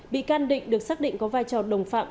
bị can định được xác định có vai trò đồng phạm